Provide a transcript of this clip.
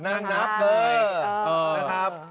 นั่งนับเลยนะครับ